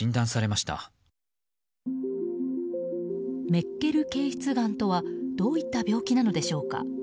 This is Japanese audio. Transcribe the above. メッケル憩室がんとはどういった病気なのでしょうか。